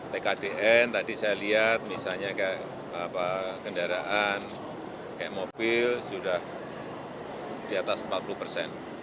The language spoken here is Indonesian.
tkdn tadi saya lihat misalnya kayak kendaraan kayak mobil sudah di atas empat puluh persen